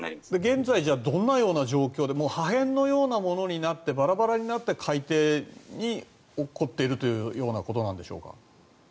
現在、どんなような状況で破片のようなものバラバラになって海底に落ちているということなんでしょうか。